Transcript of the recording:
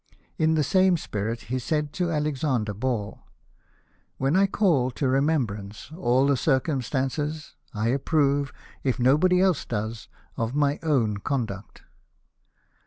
In the same spirit he said to Sir Alexander Ball :" When I call to remembrance all the circumstances, I approve, if nobody else does, of my OAvn con duct."